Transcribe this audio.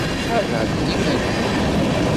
Ḥareb ɣef yiman-ik